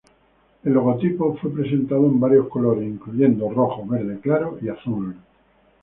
El logotipo fue presentado en varios colores incluyendo rojo, verde claro y azul.